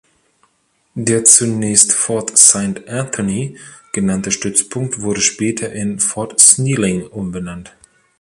Der zunächst "Fort Saint Anthony" genannte Stützpunkt wurde später in Fort Snelling umbenannt.